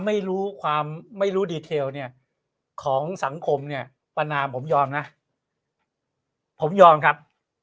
ไม่รู้ความไม่รู้ดีเทลเนี่ยของสังคมเนี่ยประนามผมยอมนะผมยอมครับ